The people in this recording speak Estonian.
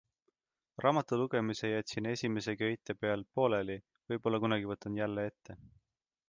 Raamatu lugemise jätsin esimese köite pealt pooleli, võib-olla kunagi võtan jälle ette.